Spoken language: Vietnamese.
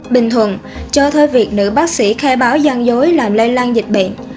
bình thuận cho thuê việc nữ bác sĩ khai báo gian dối làm lây lan dịch bệnh